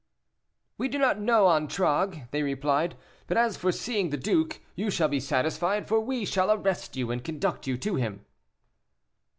"We do not know Antragues," they replied, "but as for seeing the duke, you shall be satisfied, for we shall arrest you, and conduct you to him."